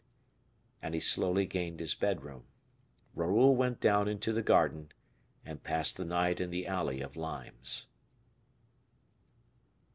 And he slowly gained his bedroom. Raoul went down into the garden, and passed the night in the alley of limes.